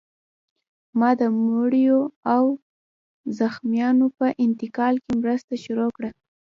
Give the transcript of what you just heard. ما د مړیو او زخمیانو په انتقال کې مرسته شروع کړه